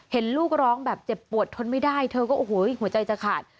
เห็นลูกร้องแบบเจ็บปวดทนไม่ได้เธอก็โอ้โหหัวใจจะขาด